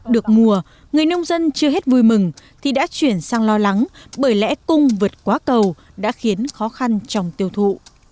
được mùa người nông dân chưa hết vui mừng thì đã chuyển sang lo lắng bởi lẽ cung vượt quá cầu đã khiến khó khăn trong tiêu thụ